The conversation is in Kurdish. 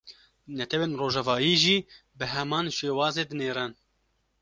Netewên rojavayî jî bi heman şêwazê dinêrin